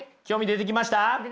出てきました。